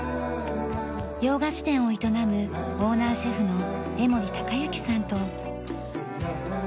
洋菓子店を営むオーナーシェフの江森隆行さんと。